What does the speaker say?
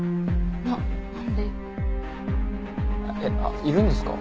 えっ？あっいるんですか？